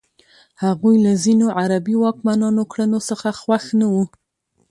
هغوی له ځینو عربي واکمنانو کړنو څخه خوښ نه وو.